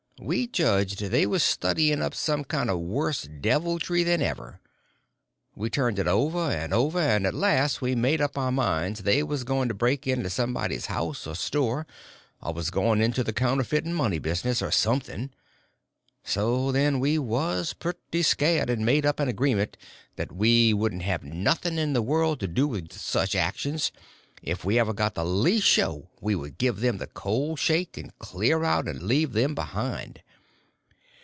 We judged they was studying up some kind of worse deviltry than ever. We turned it over and over, and at last we made up our minds they was going to break into somebody's house or store, or was going into the counterfeit money business, or something. So then we was pretty scared, and made up an agreement that we wouldn't have nothing in the world to do with such actions, and if we ever got the least show we would give them the cold shake and clear out and leave them behind.